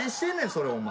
それお前。